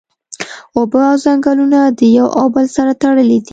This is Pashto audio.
اوبه او ځنګلونه د یو او بل سره تړلی دی